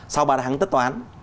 sau ba tháng tất toán